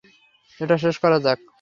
এটা শেষ করা যাক!